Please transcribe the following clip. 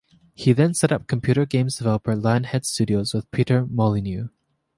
He then set up computer games developer Lionhead Studios with Peter Molyneux.